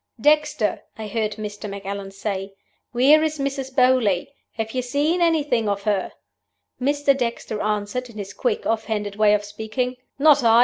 "'Dexter!' I heard Mr. Macallan say. 'Where is Mrs. Beauly? Have you seen anything of her?' "Mr. Dexter answered, in his quick, off hand way of speaking, 'Not I.